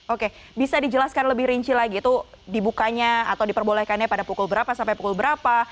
oke bisa dijelaskan lebih rinci lagi itu dibukanya atau diperbolehkannya pada pukul berapa sampai pukul berapa